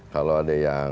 kalau ada yang